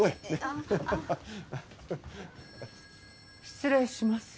失礼します。